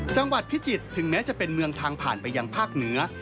จังหวัดพิจิตรถึงแม้จะเป็นเมืองทางผ่านไปยังภาคเหนือ